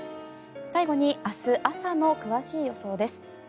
最後に明日朝の詳しい予想です。